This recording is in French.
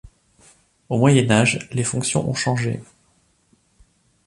Au Moyen Âge, les fonctions ont changé.